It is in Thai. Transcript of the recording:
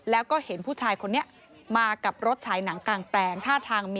แล้วก็เห็นผู้ชายคนนี้มากับรถฉายหนังกลางแปลง